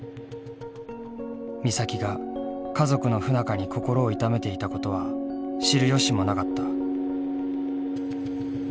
美咲が家族の不仲に心を痛めていたことは知る由もなかった。